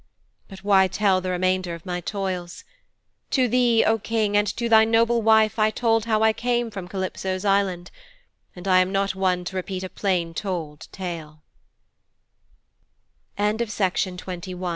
But why tell the remainder of my toils? To thee, O King, and to thy noble wife I told how I came from Calypso's Island, and I am not one to repeat a plain told